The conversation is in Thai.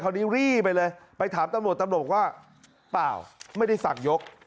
รีบไปเลยไปถามตำรวจตำรวจว่าเปล่าไม่ได้สั่งยก